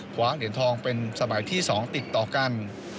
กวาเหลียนทองเป็นสมัยติดต่อกัน